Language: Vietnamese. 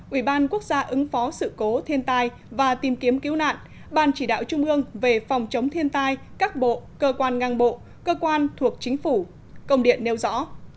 ủy ban quốc gia ứng phó sự cố thiên tai và tìm kiếm cứu nạn ban chỉ đạo trung ương về phòng chống thiên tai các bộ cơ quan ngang bộ cơ quan thuộc chính phủ công điện nêu rõ